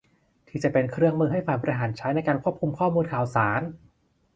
ที่จะเป็นเครื่องมือให้ฝ่ายบริหารใช้ในการควบคุมข้อมูลข่าวสาร